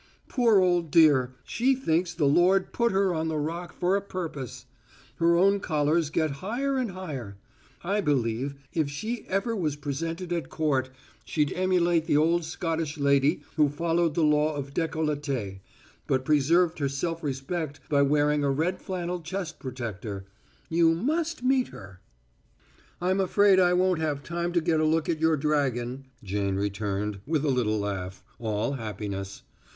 "Poor old dear; she thinks the Lord put her on the Rock for a purpose. Her own collars get higher and higher. I believe if she ever was presented at court she'd emulate the old Scotch lady who followed the law of décolleté, but preserved her self respect by wearing a red flannel chest protector. You must meet her." "I'm afraid I won't have time to get a look at your dragon," Jane returned, with a little laugh, all happiness.